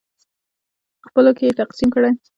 خپلو کې یې تقسیم کړئ.